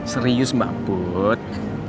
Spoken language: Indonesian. serius mbak put